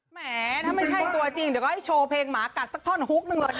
แหมถ้าไม่ใช่ตัวจริงเดี๋ยวก็ให้โชว์เพลงหมากัดสักท่อนฮุกนึงละกัน